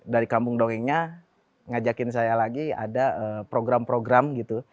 dari kampung dongengnya ngajakin saya lagi ada program program gitu